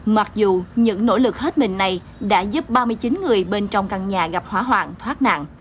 mặc dù những nỗ lực hết mình này đã giúp ba mươi chín người bên trong căn nhà gặp hỏa hoạn thoát nạn